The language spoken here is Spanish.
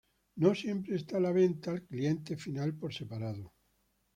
No siempre está a la venta al cliente final por separado.